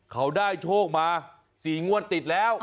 เขาได้โชคมา๔งวดติดแล้ว